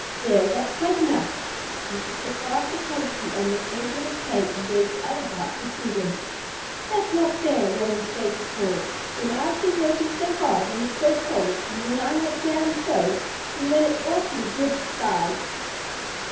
"There, that's quite enough," and she put half the quantity on the edge of his plate and gave the other half to Susan. "That's not fair," remonstrated Paul, "when I've been working so hard, and it's so cold, and when I like jam so, and when it's so awfully good beside."